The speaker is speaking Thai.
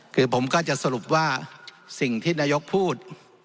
คือผมก็จะสรุปว่าสิ่งที่นายกพูด